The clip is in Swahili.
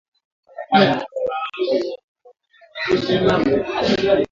Wanajeshi hao wametajwa kuwa Jean Pierre Habyarimana